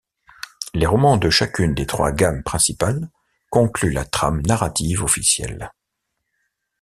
Les romans de chacune des trois gammes principales concluent la trame narrative officielle.